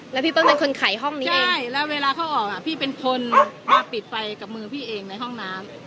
แล้วพี่ต้องเป็นคนไขห้องนี้ใช่แล้วเวลาเขาออกอ่ะพี่เป็นคนมาปิดไฟกับมือพี่เองในห้องน้ำ